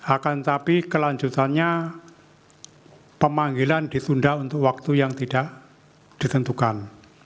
akan tetapi kelanjutannya pemanggilan ditunda untuk waktu yang tidak ditentukan